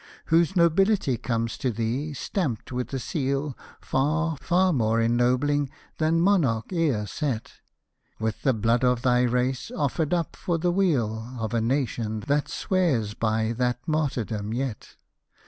Whose nobility comes to thee, stamped with a seal Far, far more ennobling than monarch e'er set ; With the blood of thy race, offered up for the weal Of a nation, that swears by that martyrdom yet